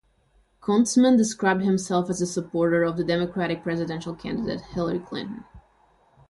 Kuntzman described himself as a supporter of the Democratic presidential candidate Hillary Clinton.